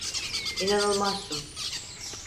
İnanılmazsın.